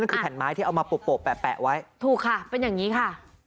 ก็คือแผ่นไม้ที่เอามาโปะแปะไว้ถูกค่ะเป็นอย่างนี้ค่ะ